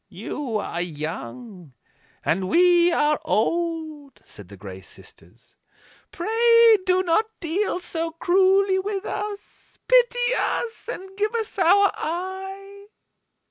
"You are young, and we are old," said the Gray Sisters; "pray, do not deal so cruelly with us. Pity us, and give us our eye."